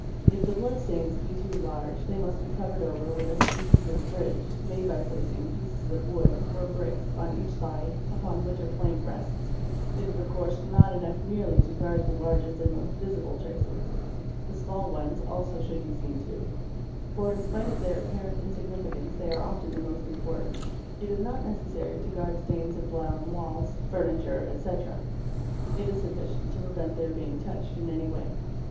If the blood stains be too large they must be covered over with a species of bridge made by placing pieces of wood or bricks on each side upon which a plank rests; it is of course not enough merely to guard the largest and most visible traces; the small ones also should be seen to, for in spite of their apparent insignificance they are often the most important. It } is not necessary to guard stains of blood on walls, furniture, etc., it is 556 TRACES OF BLOOD sufficient to prevent their being touched in any way.